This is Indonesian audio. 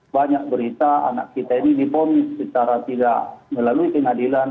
banyak berita anak kita ini diponis secara tidak melalui pengadilan